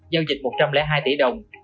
giao dịch một trăm linh hai tỷ đồng